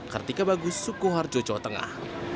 kartika bagus sukoharjo jawa tengah